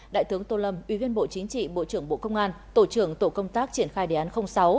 đại tướng tô lâm ubnd bộ trưởng bộ công an tổ trưởng tổ công tác triển khai đề án sáu